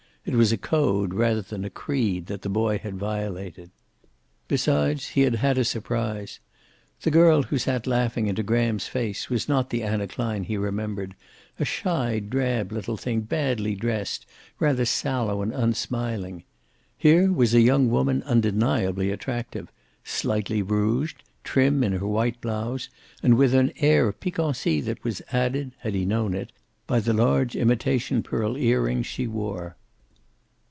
It was a code, rather than a creed, that the boy had violated. Besides, he had bad a surprise. The girl who sat laughing into Graham's face was not the Anna Klein he remembered, a shy, drab little thing, badly dressed, rather sallow and unsmiling. Here was a young woman undeniably attractive; slightly rouged, trim in her white blouse, and with an air of piquancy that was added, had he known it, by the large imitation pearl earrings she wore.